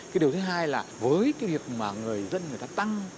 cái điều thứ hai là với cái việc mà người dân người ta tăng